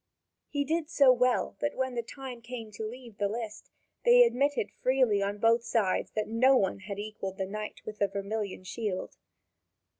He did so well that when the time came to leave the list, they admitted freely on both sides that no one had equalled the knight with the vermilion shield.